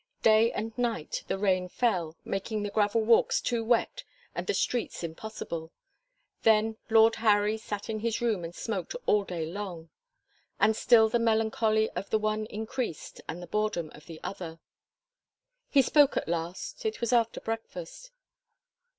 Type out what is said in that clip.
Day and night the rain fell, making the gravel walks too wet and the streets impossible. Then Lord Harry sat in his room and smoked all day long. And still the melancholy of the one increased, and the boredom of the other. He spoke at last. It was after breakfast.